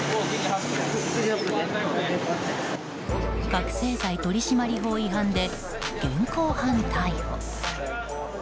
覚醒剤取締法違反で現行犯逮捕。